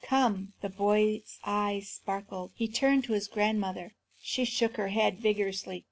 Come!" The boy's eyes sparkled. He turned to his grandmother. She shook her head vigorously.